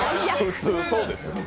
普通そうです。